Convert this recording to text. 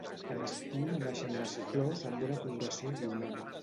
En estiu naixen les flors amb una coloració violada.